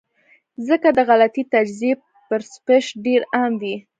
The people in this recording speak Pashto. ځکه د غلطې تجزئې پرسپشن ډېر عام وي -